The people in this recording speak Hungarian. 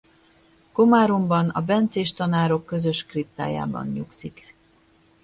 Komáromban a bencés tanárok közös kriptájában nyugszik.